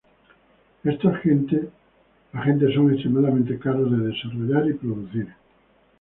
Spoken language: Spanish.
Estos agentes son extremadamente caros de desarrollar y producir.